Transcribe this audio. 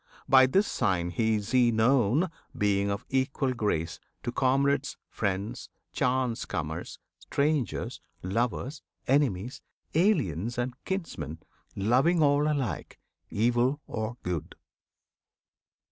By this sign is he known Being of equal grace to comrades, friends, Chance comers, strangers, lovers, enemies, Aliens and kinsmen; loving all alike, Evil or good.